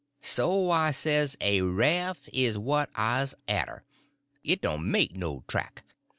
So I says, a raff is what I's arter; it doan' make no track.